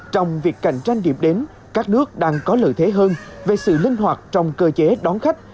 trong việc cạnh tranh điểm đến các nước đang có lợi thế hơn về sự linh hoạt trong cơ chế đón khách